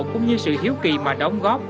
cũng như sự hiếu kỳ mà đóng góp